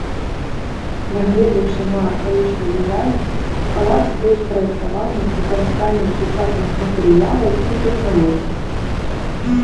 Нягледзячы на архаічны дызайн, палац быў спраектаваны з выкарыстаннем сучасных матэрыялаў і тэхналогій.